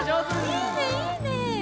いいねいいね！